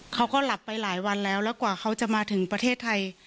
เขาก็หลับไปหลายวันแล้วแล้วกว่าเขาจะมาถึงประเทศไทย